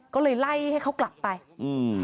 ก็เลยไล่ให้เขากลับไปอืม